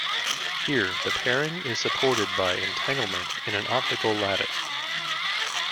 Here, the pairing is supported by entanglement in an optical lattice.